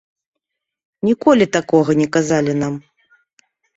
Ніколі такога не казалі нам.